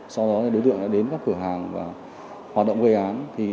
sau đó đối tượng đã đến các cửa hàng và hoạt động gây án